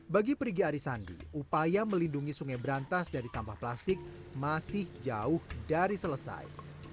bagi perigi arisandi upaya melindungi sungai berantas dari sampah plastik masih jauh dari selesai